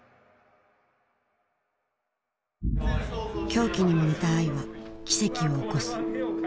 狂気にも似た愛は奇跡を起こす。